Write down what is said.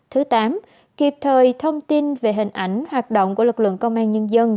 thứ tám kịp thời thông tin về hình ảnh hoạt động của lực lượng công an nhân dân